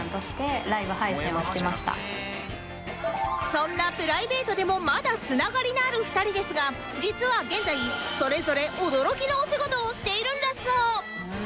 そんなプライベートでもまだつながりのある２人ですが実は現在それぞれ驚きのお仕事をしているんだそう